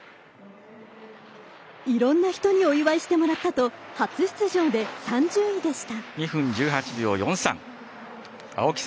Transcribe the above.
いろんな人にお祝いしてもらったと初出場で３０位でした。